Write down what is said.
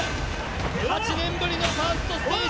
８年ぶりのファーストステージ